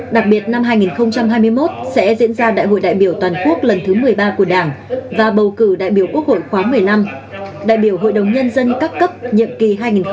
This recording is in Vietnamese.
đặc biệt năm hai nghìn hai mươi một sẽ diễn ra đại hội đại biểu toàn quốc lần thứ một mươi ba của đảng và bầu cử đại biểu quốc hội khóa một mươi năm đại biểu hội đồng nhân dân các cấp nhiệm kỳ hai nghìn hai mươi một hai nghìn hai mươi sáu